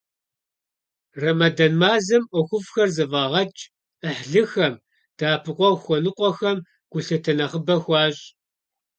Рэмэдан мазэм ӀуэхуфӀхэр зэфӀагъэкӀ, Ӏыхьлыхэм, дэӀэпыкъуэгъу хуэныкъуэхэм гулъытэ нэхъыбэ хуащӀ.